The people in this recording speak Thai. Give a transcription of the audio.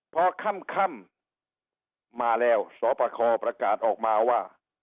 พอค่ำมาแล้วสปคประกาศออกมาว่า